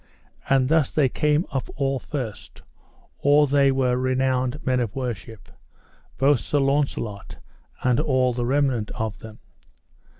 And thus they came up all first, or they were renowned men of worship, both Sir Launcelot and all the remnant of them.